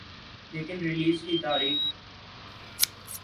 لیکن ریلیز کی تاریخ